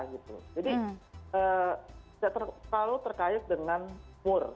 jadi tidak terlalu terkait dengan umur